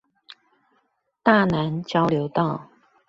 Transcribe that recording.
大湳交流道